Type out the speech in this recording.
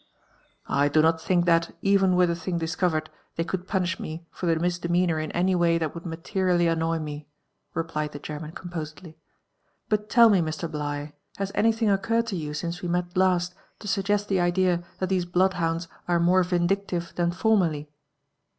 *' I do not think that, even ^ere the thing discovered, they could punish me for the misdemeanour in any way that would materially annoy me," replied the German composedly ; ''but tell me, Mr. Bligh, has anything occurred to you since we met last to suggest the idea that these bloodhounds are more vindictive than formerly